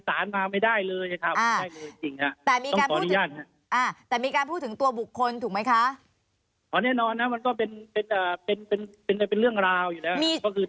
ที่มีการใส่สุดโอ้ยอันนี้เป็นการ